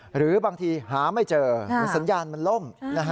หรือบางทีหาไม่เจอสัญญาณมันล่ม